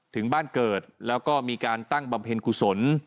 ถึงบ้านเกิดแล้วก็มีการตั้งบำเพ็ญกุศล